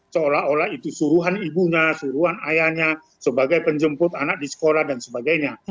seolah olah itu suruhan ibunya suruhan ayahnya sebagai penjemput anak di sekolah dan sebagainya